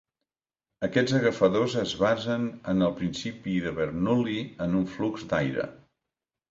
Aquests agafadors es basen en el principi de Bernoulli en un flux d'aire.